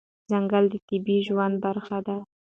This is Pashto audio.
ځنګل د طبیعي ژوند برخه ده.